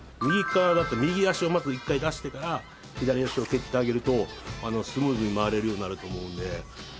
右側だと右脚を１回出してから左脚を蹴ってあげるとスムーズに回れるようになると思うので。